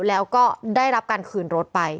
แล้วก็ได้รับการคืนรถไป